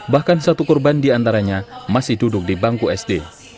bahkan satu korban diantaranya masih duduk di bangku sd